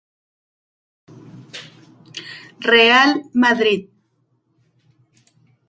Real Madrid.